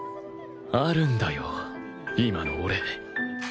あるんだよ今の俺